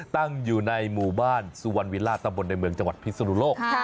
ตั้งอยู่ในหมู่บ้านสุวรรณวิล่าตะบนในเมืองจังหวัดพิศนุโลก